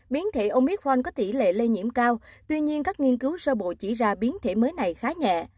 biến thể omit ron có tỷ lệ lây nhiễm cao tuy nhiên các nghiên cứu sơ bộ chỉ ra biến thể mới này khá nhẹ